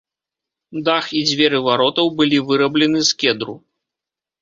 Дах і дзверы варотаў былі выраблены з кедру.